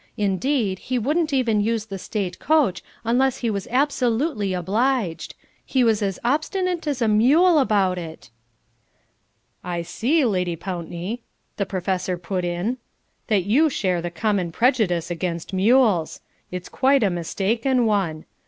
Indeed, he wouldn't even use the State coach unless he was absolutely obliged. He was as obstinate as a mule about it!" "I see, Lady Pountney," the Professor put in, "that you share the common prejudice against mules. It's quite a mistaken one.